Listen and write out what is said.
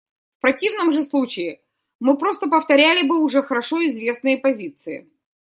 В противном же случае мы просто повторяли бы уже хорошо известные позиции.